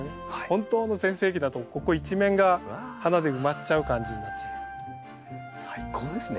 本当の全盛期だとここ一面が花で埋まっちゃう感じになっちゃいます。